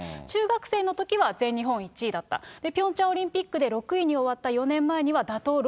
中学生のときは全日本１位だった、ピョンチャンオリンピックで６位に終わった４年前には、打倒